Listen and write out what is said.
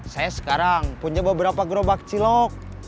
saya sekarang punya beberapa gerobak cilok